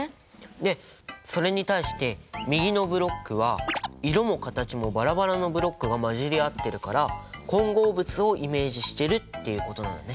でそれに対して右のブロックは色も形もバラバラのブロックが混じり合ってるから混合物をイメージしてるっていうことなんだね。